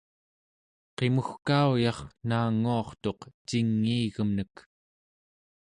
qimugkauyar naanguartuq cingiigemnek